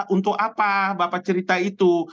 untuk apa bapak cerita itu